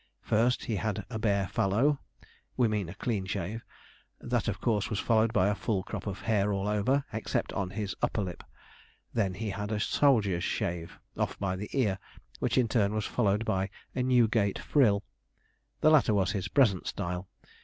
First, he had a bare fallow we mean a clean shave; that of course was followed by a full crop of hair all over, except on his upper lip; then he had a soldier's shave, off by the ear; which in turn was followed by a Newgate frill. The latter was his present style.